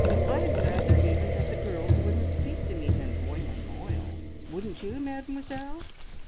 I'd rather even that the girls wouldn't speak to me than boiling oil wouldn't you, Mademoiselle?"